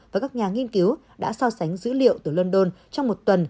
và các nhà nghiên cứu đã so sánh dữ liệu từ london trong một tuần